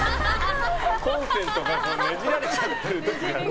コンセントがねじられちゃってる時がある。